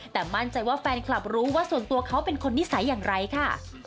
แต่มั่นใจว่าแฟนคลับรู้ว่าส่วนตัวเขาเป็นคนนิสัยอย่างไรค่ะ